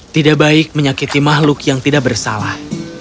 tidak baik menyakiti makhluk yang tidak bersalah